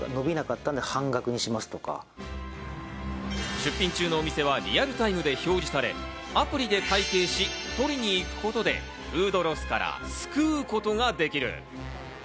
出品中のお店はリアルタイムで表示され、アプリで会計し取りに行くことで、フードロスから救うことができる。